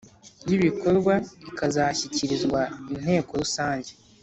y ibikorwa izashyikirizwa Inteko rusange